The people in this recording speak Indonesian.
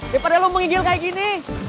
daripada lu mengigil kayak gini